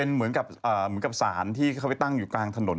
เหมือนกับสารที่เขาไปตั้งอยู่กลางถนน